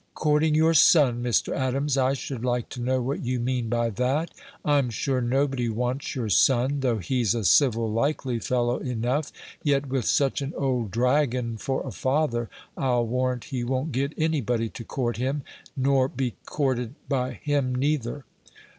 "Courting your son! Mr. Adams, I should like to know what you mean by that. I'm sure nobody wants your son, though he's a civil, likely fellow enough; yet with such an old dragon for a father, I'll warrant he won't get any body to court him, nor be courted by him neither."